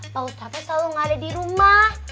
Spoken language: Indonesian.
pak mustaqnya selalu gak ada di rumah